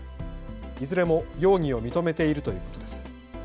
いずれも容疑を認めているということです。